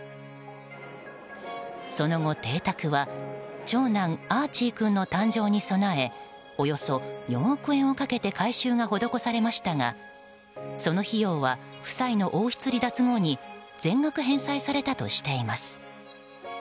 その後、邸宅は長男アーチー君の誕生に備えおよそ４億円をかけて改修が施されましたがその費用は、夫妻の王室離脱後に全額返済されたとしています。